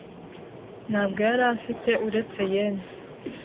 Ntabwo yari afite uretse yen .